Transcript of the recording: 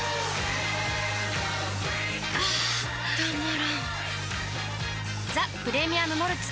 あたまらんっ「ザ・プレミアム・モルツ」